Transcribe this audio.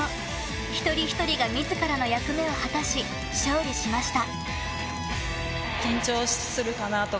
一人一人が自らの役目を果たし勝利しました。